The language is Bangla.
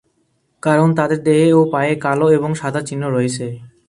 কারণ তাদের দেহে ও পায়ে কালো এবং সাদা চিহ্ন রয়েছে।